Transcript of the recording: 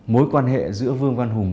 mối quan hệ giữa vương văn hùng